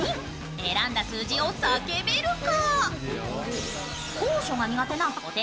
選んだ数字を叫べるか？